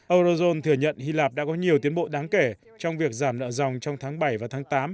eurozone thừa nhận hy lạp đã có nhiều tiến bộ đáng kể trong việc giảm nợ dòng trong tháng bảy và tháng tám